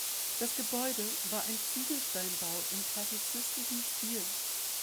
Das Gebäude war ein Ziegelsteinbau im klassizistischen Stil.